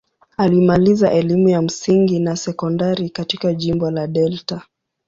Alimaliza elimu ya msingi na sekondari katika jimbo la Delta.